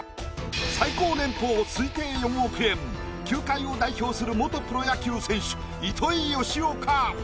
最高年俸推定４億円球界を代表する元プロ野球選手糸井嘉男か？